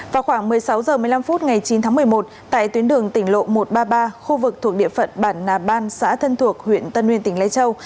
vào khoảng một mươi sáu h một mươi năm phút ngày chín tháng một mươi một tại tuyến đường tỉnh lộ một trăm ba mươi ba khu vực thuộc địa phận bản nà ban xã thân thuộc huyện tân nguyên tỉnh lai châu